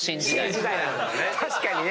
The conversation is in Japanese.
確かにね。